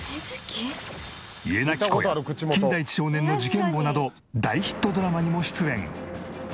『家なき子』や『金田一少年の事件簿』など大ヒットドラマにも出演。